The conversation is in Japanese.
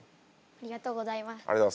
ありがとうございます。